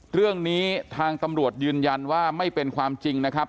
เรื่องนี้ทางตำรวจยืนยันว่าไม่เป็นความจริงนะครับ